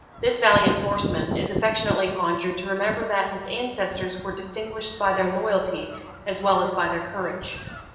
This valiant horseman is affectionately conjured to remember that his ancestors were distinguished by their loyalty as well as by their courage.